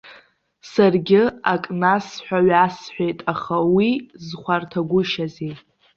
Саргьы ак насҳәа-ҩасҳәеит, аха уи зхәарҭагәышьазеи.